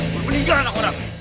lu meninggal anak orang